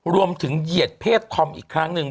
เหยียดเพศธอมอีกครั้งหนึ่ง